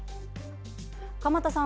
鎌田さん